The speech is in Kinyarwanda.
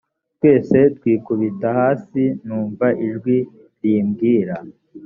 twese twikubita hasi numva ijwi rimbwira